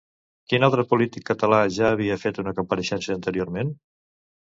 Quin altre polític català ja havia fet una compareixença anteriorment?